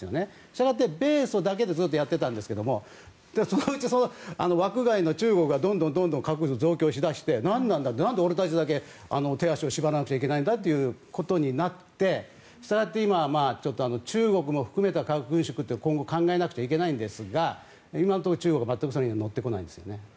したがって米ソだけでそういうことやっていたんですけどそのうち枠外の中国がどんどん核増強しだして何で俺たちだけ手足を縛られなきゃいけないんだということになってしたがって今、中国も含めた核軍縮というのは今後考えなくてはいけないんですが今のところ中国は全くそれに乗ってこないですよね。